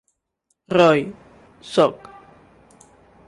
Roy, Soc.